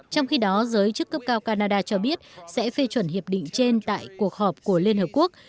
trong khi đó giới chức cấp cao canada cho biết sẽ phê chuẩn hiệp định trên tại cuộc họp của liên hợp quốc